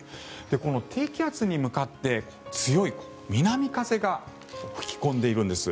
この低気圧に向かって強い南風が吹き込んでいるんです。